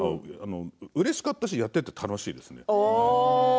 うれしかったしやっていて楽しかったですね。